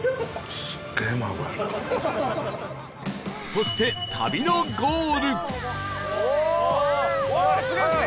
そして旅のゴール